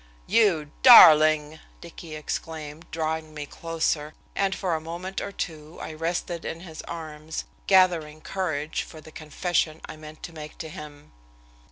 "You darling!" Dicky exclaimed, drawing me closer, and for a moment or two I rested in his arms, gathering courage for the confession I meant to make to him.